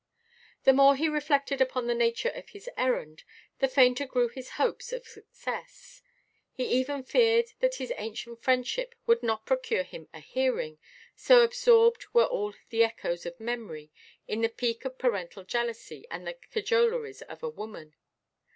The more he reflected upon the nature of his errand, the fainter grew his hopes of success; he even feared that his ancient friendship would not procure him a hearing, so absorbed were all the echoes of memory in the pique of parental jealousy, and the cajoleries of a woman.